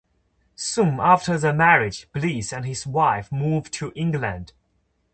Soon after the marriage, Bliss and his wife moved to England.